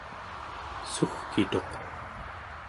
sugkituq